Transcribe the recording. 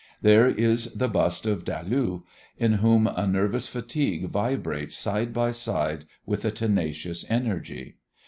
There is the bust of Dalou in whom a nervous fatigue vibrates side by side with a tenacious energy.